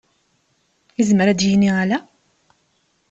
Yezmer ad d-nini ala?